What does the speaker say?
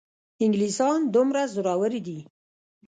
انګلیسیان دومره زورور دي.